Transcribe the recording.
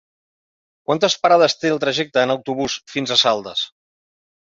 Quantes parades té el trajecte en autobús fins a Saldes?